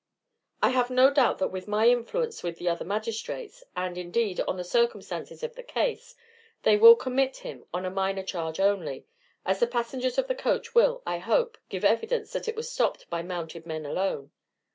I have no doubt that with my influence with the other magistrates, and, indeed, on the circumstances of the case, they will commit him on a minor charge only, as the passengers of the coach will, I hope, give evidence that it was stopped by mounted men alone.